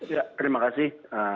ya terima kasih